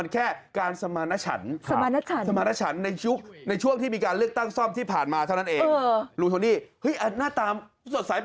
เข็มสี่แล้วนะเหมือนอยู่บ้านด้วยใช่ไหมครับ